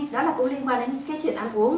đó là tôi liên quan đến cái chuyện ăn uống